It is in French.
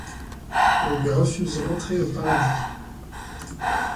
On lui refuse l'entrée au paradis.